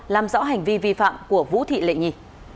làm rõ hành vi vi phạm của vũ thị lệ nhi